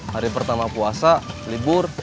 hari pertama puasa libur